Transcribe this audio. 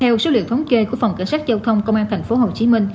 theo số liệu thống chê của phòng cảnh sát dâu thông công an tp hcm